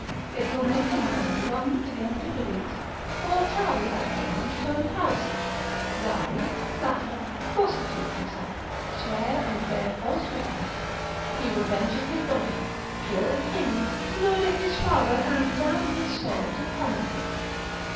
It will make a man run to the antipodes, or tarry at home and turn parasite, lie, flatter, prostitute himself, swear and bear false witness; he will venture his body, kill a king, murder his father, and damn his soul to come at it.